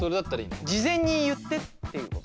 事前に言ってっていうこと？